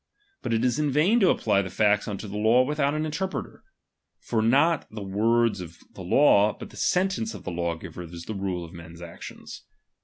But it is in vain to apply the facts unto the law without an interpreter : for not the words of the law, but the sentence of the law giver is the rule of men's ae ■ tions.